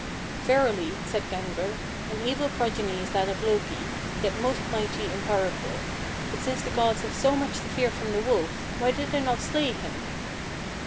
"Verily," said Gangler, "an evil progeny is that of Loki, yet most mighty and powerful; but since the gods have so much to fear from the wolf, why did they not slay him?"